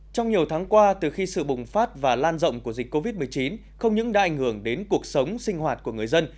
trong nhiều tháng qua từ khi sự bùng phát và lan rộng của dịch covid một mươi chín không những đã ảnh hưởng đến cuộc sống sinh hoạt của người dân